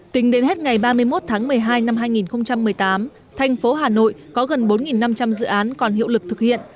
tính đến hết ngày ba mươi một tháng một mươi hai năm hai nghìn một mươi tám thành phố hà nội có gần bốn năm trăm linh dự án còn hiệu lực thực hiện